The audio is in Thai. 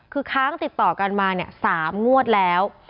คือค้างติดต่อกันมา๓งวดแล้ว